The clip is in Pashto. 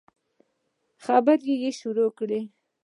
خبرې به يې شروع کړې.